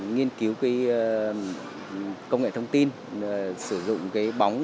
nhiên cứu công nghệ thông tin sử dụng bóng